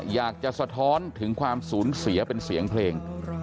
อยากจะสะท้อนถึงความศูนย์เสียเป็นเสียงเพลง